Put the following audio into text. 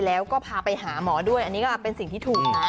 แล้วก็พาไปหาหมอด้วยอันนี้ก็เป็นสิ่งที่ถูกนะ